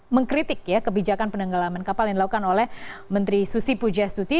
mengkritik ya kebijakan penenggelaman kapal yang dilakukan oleh menteri susi pujastuti